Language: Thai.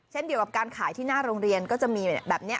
เช่นเดียวกับการขายที่หน้าโรงเรียนก็จะมีแบบนี้